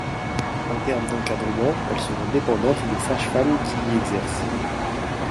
En termes d’encadrement, elles seront dépendantes des sages-femmes qui y exercent.